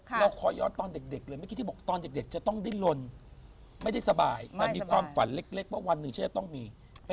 เราขอย้อนตอนเด็กเลยเมื่อกี้ที่บอกตอนเด็กจะต้องดิ้นลนไม่ได้สบายแต่มีความฝันเล็กว่าวันหนึ่งฉันจะต้องมี